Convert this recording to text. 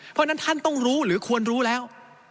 เพราะฉะนั้นท่านต้องรู้หรือควรรู้แล้ว